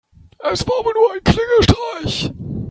Es war wohl nur ein Klingelstreich.